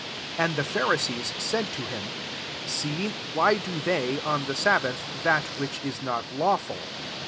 24 And the Pharisees said to him, " See, why do they, [o7f\ the sabbath, that which is not law ful